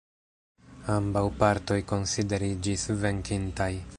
Ambaŭ partoj konsideriĝis venkintaj.